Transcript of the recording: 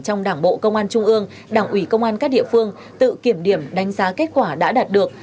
trong đảng bộ công an trung ương đảng ủy công an các địa phương tự kiểm điểm đánh giá kết quả đã đạt được